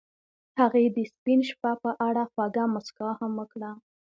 هغې د سپین شپه په اړه خوږه موسکا هم وکړه.